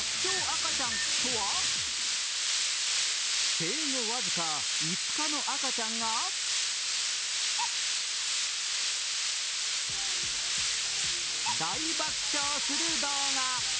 生後僅か５日の赤ちゃんが大爆笑する動画。